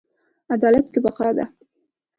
عدالت کې بقا ده